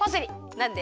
なんで？